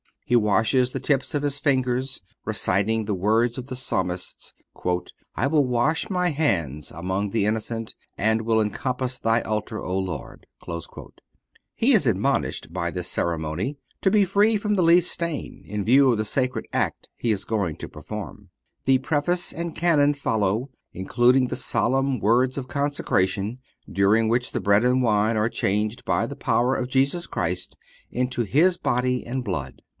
He washes the tips of his fingers, reciting the words of the Psalmist: "I will wash my hands among the innocent and will encompass Thy altar, O Lord." He is admonished, by this ceremony, to be free from the least stain, in view of the sacred act he is going to perform. The Preface and Canon follow, including the solemn words of consecration, during which the bread and wine are changed by the power of Jesus Christ into His body and blood.